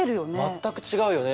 全く違うよね。